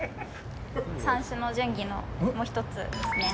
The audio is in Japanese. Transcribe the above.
三種の神器のもう一つですね。